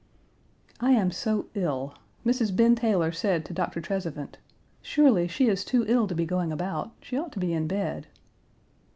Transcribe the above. I am so ill. Mrs. Ben Taylor said to Doctor Trezevant, "Surely, she is too ill to be going about; she ought to be in bed."